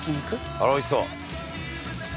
「あら美味しそう」